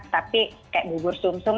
tapi kayak bubur sumsum